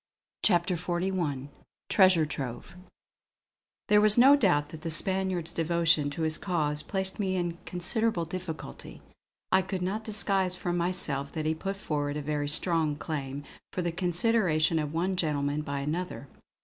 CHAPTER XLI TREASURE TROVE There was no doubt that the Spaniard's devotion to his cause placed me in a considerable difficulty. I could not disguise from myself that he put forward a very strong claim for the consideration of one gentleman by another.